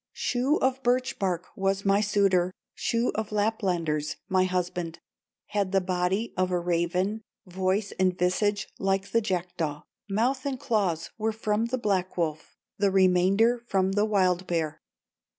Shoe of birch bark was my suitor, Shoe of Laplanders, my husband; Had the body of a raven, Voice and visage like the jackdaw, Mouth and claws were from the black wolf, The remainder from the wild bear.